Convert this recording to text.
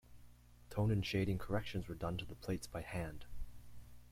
Tone and shading corrections were done to the plates by hand.